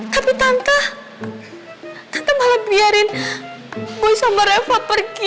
tapi tante malah biarin boy sama reva pergi